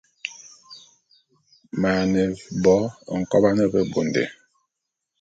Ma’yiane bo nkoban bebondé.